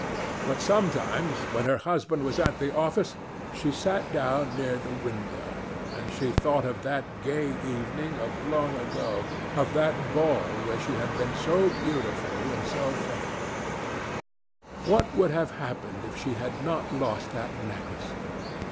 But sometimes, when her husband was at the office, she sat down near the window, and she thought of that gay evening of long ago, of that ball where she had been so beautiful and so feted. What would have happened if she had not lost that necklace?